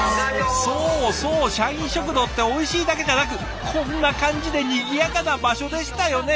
そうそう社員食堂っておいしいだけじゃなくこんな感じでにぎやかな場所でしたよね